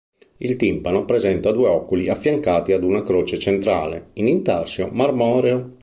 Il timpano presenta due oculi affiancati ad una croce centrale, in intarsio marmoreo.